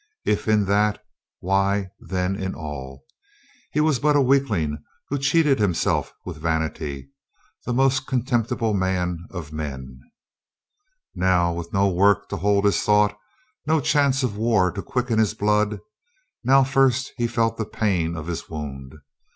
If in that, why, then in all. He was but a weakling, who cheated himself with vanity — that most contemptible man of men. Now, with no work to hold his thought, no chance of war to quicken his blood, now first he felt the pain of his wound.